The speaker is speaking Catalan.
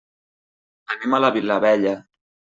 Anem a la Vilavella.